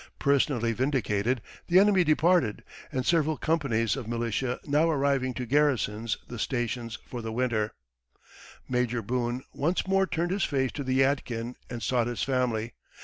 Personally vindicated, the enemy departed, and several companies of militia now arriving to garrison the stations for the winter, Major Boone once more turned his face to the Yadkin and sought his family.